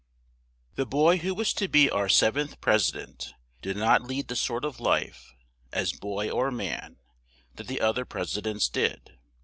The boy who was to be our sev enth Pres i dent did not lead the sort of life, as boy or man, that the oth er Pres i dents did.